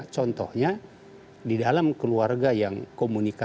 contohnya di dalam keluarga yang komunikasinya keras